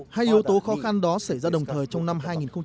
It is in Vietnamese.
hai yếu tố khó khăn đó xảy ra đồng thời trong năm hai nghìn một mươi tám